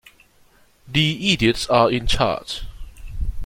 The idiots are in charge.